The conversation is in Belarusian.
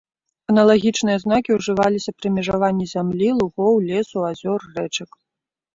Аналагічныя знакі ўжываліся пры межаванні зямлі, лугоў, лесу, азёр, рэчак.